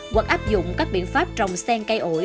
hoặc áp dụng các biện pháp trồng sen cây ổi